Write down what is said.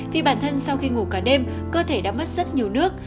vì bản thân sau khi ngủ cả đêm cơ thể đã mất rất nhiều nước